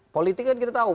politik kan kita tahu